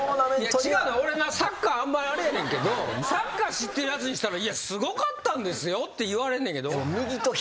いや違うねん俺なサッカーあんまあれやねんけどサッカー知ってるやつにしたらいやすごかったんですよって言われんねんけど。